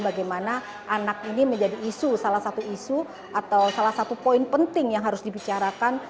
bagaimana anak ini menjadi isu salah satu isu atau salah satu poin penting yang harus dibicarakan